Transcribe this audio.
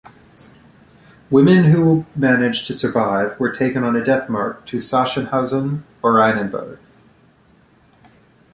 Women who managed to survive were taken on a death march to Sachsenhausen-Oranienburg.